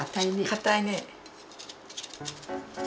かたいね。